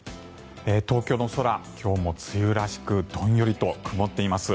東京の空、今日も梅雨らしくどんよりと曇っています。